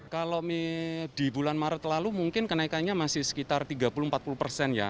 kalau di bulan maret lalu mungkin kenaikannya masih sekitar tiga puluh empat puluh persen ya